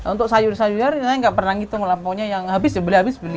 untuk sayur sayur saya gak pernah ngitung lah pokoknya yang habis beli habis beli